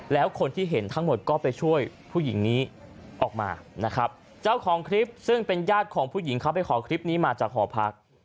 แล้วคนที่เห็นทั้งหมดก็ไปช่วยผู้หญิงนี้ออกมานะครับเจ้าของคลิปซึ่งเป็นญาติของผู้หญิงเขาไปขอคลิปนี้มาจากหอพัก